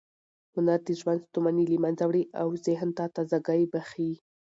هنر د ژوند ستوماني له منځه وړي او ذهن ته تازه ګۍ بښي.